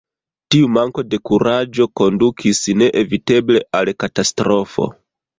Tiu manko de kuraĝo kondukis ne-eviteble al katastrofo.